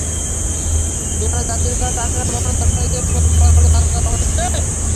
বিমানের যাত্রী ছাড়া টার্মিনাল ভবনে দর্শনার্থীদের প্রবেশে কড়াকড়ি আরোপ করা হয়েছে।